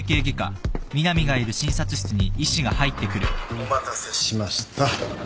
お待たせしました。